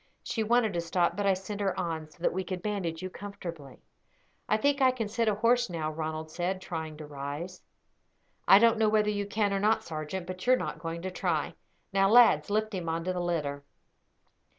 She wanted to stop, but I sent her on, so that we could bandage you comfortably." "I think I can sit a horse now," Ronald said, trying to rise. "I don't know whether you can or not, sergeant; but you are not going to try. Now, lads, lift him on to the litter."